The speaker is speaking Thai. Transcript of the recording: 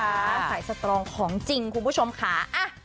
สายสตรองของจริงคุณผู้ชมค่ะ